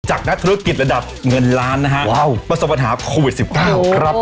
นักธุรกิจระดับเงินล้านนะฮะว้าวประสบปัญหาโควิด๑๙ครับ